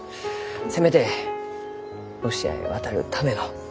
せめてロシアへ渡るための金だけでも。